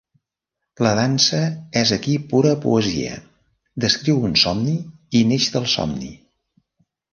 La dansa és aquí pura poesia; descriu un somni i neix del somni.